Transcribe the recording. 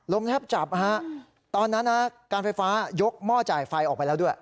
แทบจับนะฮะตอนนั้นการไฟฟ้ายกหม้อจ่ายไฟออกไปแล้วด้วย